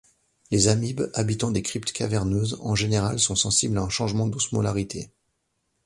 Les amibes, habitant des cryptes caverneuses, en général sont sensible à un changement d'osmolarité.